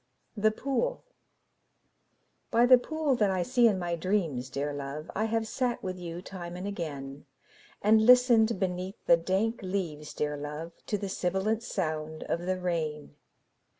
THE POOL By the pool that I see in my dreams, dear love, I have sat with you time and again; And listened beneath the dank leaves, dear love, To the sibilant sound of the rain.